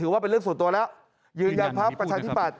ว่าเป็นเรื่องส่วนตัวแล้วยืนยันพักประชาธิปัตย